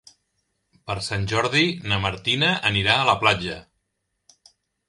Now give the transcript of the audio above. Per Sant Jordi na Martina anirà a la platja.